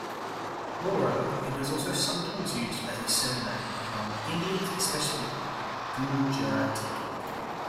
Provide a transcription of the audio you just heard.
Moreover, it is also sometimes used as a surname among Indians, especially Gujarati.